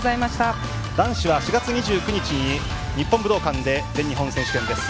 男子は４月２９日に日本武道館で全日本選手権です。